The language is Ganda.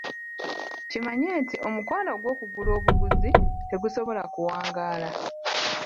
Kimanye nti omukwano ogw'okugula obuguzi tegusobola kuwangaala.